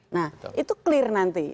nah itu clear nanti